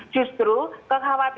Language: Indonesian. justru kekhawatiran kita